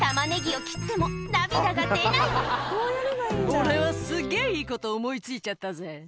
「俺はすげぇいいこと思い付いちゃったぜ」